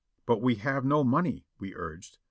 "But we have no money," we urged.